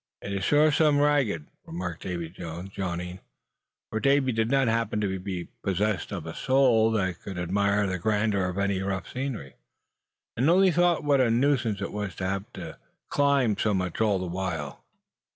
"It sure is some ragged," remarked Davy Jones, yawning; for Davy did not happen to be possessed of a soul that could admire the grandeur of any rough scenery; and only thought what a nuisance it was to have to do so much climbing all the while.